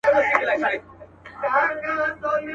د کښتۍ آرام سفر سو ناکراره.